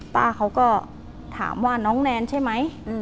ป้าเขาก็ถามว่าน้องแนนใช่ไหม